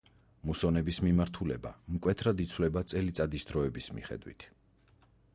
მუსონების მიმართულება მკვეთრად იცვლება წელიწადის დროების მიხედვით.